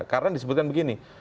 karena disebutkan begini